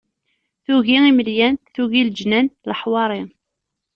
Tugi imelyan, tugi leǧnan, leḥwari...